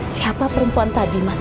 siapa perempuan tadi mas